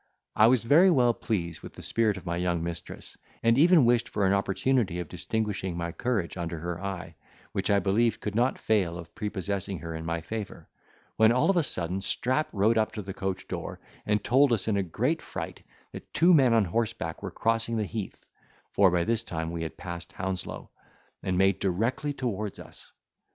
I was very well pleased with the spirit of my young mistress, and even wished for an opportunity of distinguishing my courage under her eye, which I believed could not fail of prepossessing her in my favour, when all of a sudden Strap rode up to the coach door, and told us in a great fright, that two men on horseback were crossing the heath (for by this time we had passed Hounslow), and made directly towards us.